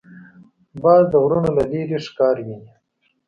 باز د غرونو له لیرې ښکار ویني